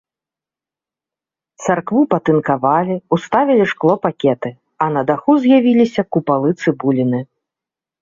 Царкву патынкавалі, уставілі шклопакеты, а на даху з'явіліся купалы-цыбуліны.